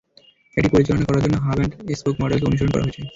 এটি পরিচালনা করার জন্য হাব এন্ড স্পোক মডেলকে অনুসরণ করা হয়েছে।